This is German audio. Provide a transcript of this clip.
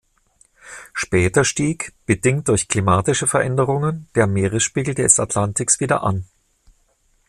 Später stieg, bedingt durch klimatische Veränderungen, der Meeresspiegel des Atlantiks wieder an.